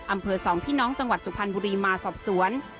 อำเภอสองพี่น้องจังหวัดสุพรรณบุรีมาสอบสวน